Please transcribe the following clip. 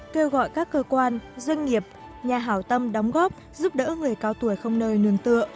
kêu gọi các cơ quan doanh nghiệp nhà hảo tâm đóng góp giúp đỡ người cao tuổi không nơi nương tựa